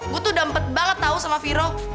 gue tuh dampet banget tau sama vero